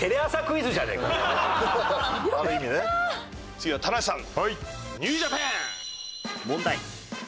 次は棚橋さん。